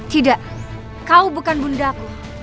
tidak kau bukan bundaku